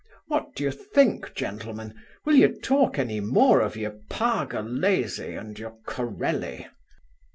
what d'ye think, gentlemen? Will you talk any more of your Pargolesi and your Corelli?